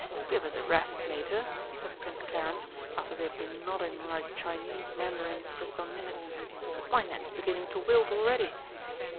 "Give us a rest, Mater," said Prince Clarence, after they had been nodding like Chinese mandarins for some minutes. "My neck's beginning to wilt already!"